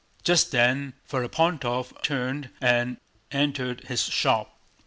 Just then Ferapóntov returned and entered his shop.